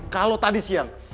kalau tadi siang